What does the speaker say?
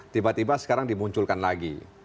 tiba tiba sekarang dimunculkan lagi